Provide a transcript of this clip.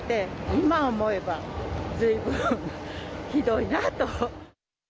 今、思えば、ずいぶんひどいなと。